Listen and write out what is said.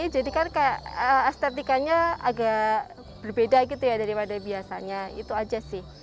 jadi kan kayak estetikanya agak berbeda gitu ya daripada biasanya itu aja sih